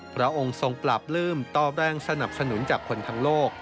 พระองค์ทรงปราบลื้มต่อแรงสนับสนุนจากคนทั้งโลก